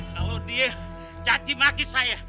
kalau dia cati makis saya